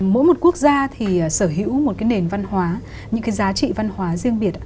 mỗi một quốc gia thì sở hữu một cái nền văn hóa những cái giá trị văn hóa riêng biệt